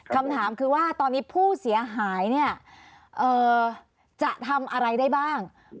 คำถามคือว่าตอนนี้ผู้เสียหายเนี่ยจะทำอะไรได้บ้าง